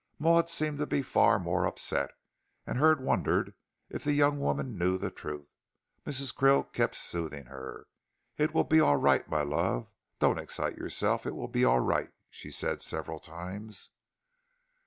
Maud seemed to be far more upset, and Hurd wondered if the young woman knew the truth. Mrs. Krill kept soothing her. "It will be all right, my love. Don't excite yourself. It will be all right," she said several times.